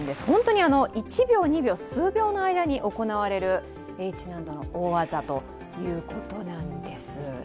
本当に１秒、２秒、数秒の間に行われるＨ難度の大技ということなんです。